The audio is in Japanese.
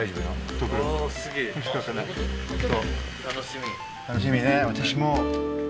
楽しみね私も。